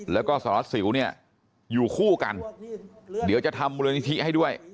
แล้วก็สหรัฐสิวอยู่คู่กันเดี๋ยวจะทำบรินิธิให้ด้วย